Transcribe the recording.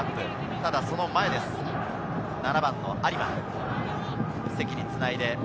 ただその前です、７番は有馬。